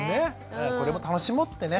これも楽しもうってね。